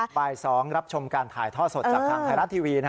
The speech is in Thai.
บ่าย๒รับชมการถ่ายท่อสดจากทางไทยรัฐทีวี